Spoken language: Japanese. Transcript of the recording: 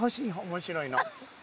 面白いの。